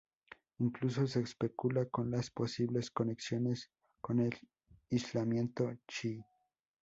Incluso se especula con las posibles conexiones con el islamismo chií.